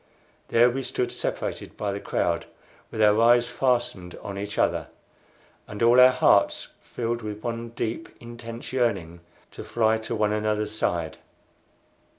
There we stood separated by the crowd, with our eyes fastened on each other, and all our hearts filled with one deep, intense yearning to fly to one another's side.